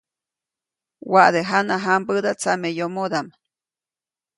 Waʼade jana jãmbäda tsameyomodaʼm.